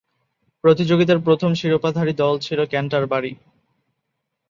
প্রতিযোগিতার প্রথম শিরোপাধারী দল ছিল ক্যান্টারবারি।